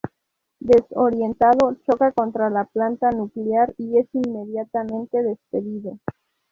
Desorientado, choca contra la Planta Nuclear, y es inmediatamente despedido.